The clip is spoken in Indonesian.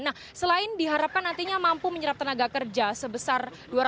nah selain diharapkan nantinya mampu menyerap lapangan kerja atau tenaga kerja